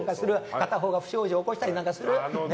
片方が不祥事起こしたりなんかする。